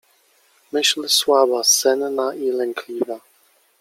Myśl słaba, senna i lękliwa.